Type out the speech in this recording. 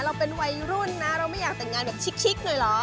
เราเป็นวัยรุ่นนะเราไม่อยากแต่งงานแบบชิกหน่อยเหรอ